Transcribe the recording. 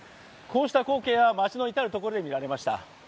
こうした光景が街の至る所で見られました。